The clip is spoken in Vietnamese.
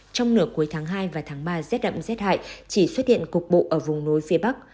trong nửa cuối tháng hai và tháng ba rét đậm rét hại chỉ xuất hiện cục bộ ở vùng núi phía bắc